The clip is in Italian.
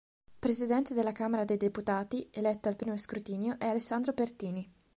Presidente della Camera dei deputati, eletto al I scrutinio, è Alessandro Pertini.